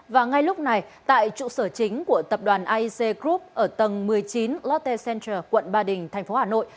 và ngay lúc này tại trụ sở chính của tập đoàn aic group ở tầng một mươi chín lotte center quận ba đình tp hà nội